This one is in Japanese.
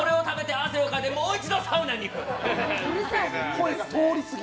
声が通り過ぎ。